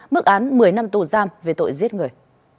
mức án một mươi năm tù giam về tội giết người